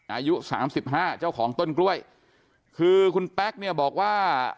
อายุสามสิบห้าเจ้าของต้นกล้วยคือคุณแป๊กเนี่ยบอกว่า